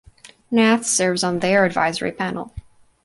Nath serves on their advisory panel.